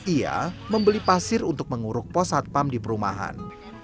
ia membeli pasir untuk menguruk pos satpam di perumahan